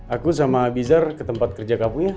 aku sama bizar ke tempat kerja kamu ya